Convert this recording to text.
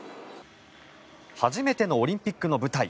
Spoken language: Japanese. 初めてのオリンピックの舞台。